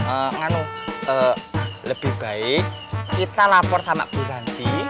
ee lebih baik kita lapor sama bu ranti